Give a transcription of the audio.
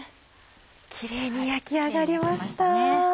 キレイに焼き上がりました。